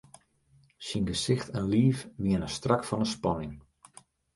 Syn gesicht en liif wiene strak fan 'e spanning.